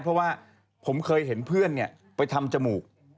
เพราะว่าผมเคยเห็นเพื่อนไปทำจมูก